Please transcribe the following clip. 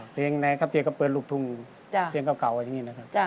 เพลงนี้ก็เปิดลูกทุ่งเพลงเก่าอย่างนี้นะครับ